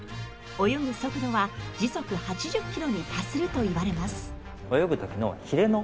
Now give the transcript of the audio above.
泳ぐ速度は時速８０キロに達するといわれます。